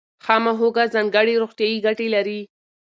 خامه هوږه ځانګړې روغتیایي ګټې لري.